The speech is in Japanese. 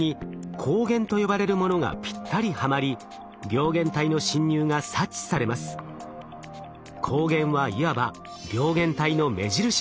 抗原はいわば病原体の目印です。